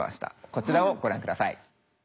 こちらをご覧ください。